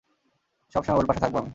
সবসময় ওর পাশে থাকব আমি।